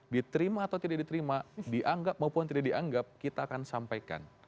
diterima atau tidak diterima dianggap maupun tidak dianggap kita akan sampaikan